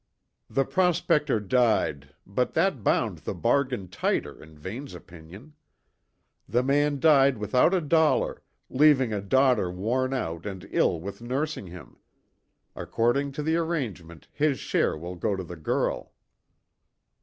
"The prospector died, but that bound the bargain tighter, in Vane's opinion. The man died without a dollar, leaving a daughter worn out and ill with nursing him. According to the arrangement, his share will go to the girl."